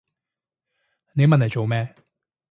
你問嚟做咩？